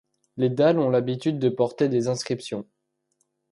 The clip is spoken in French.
Les dalles ont l'habitude de porter des inscriptions.